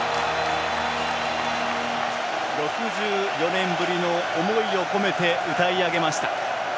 ６４年ぶりの思いを込めて歌い上げました。